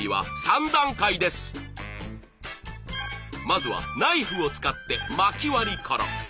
まずはナイフを使ってまき割りから。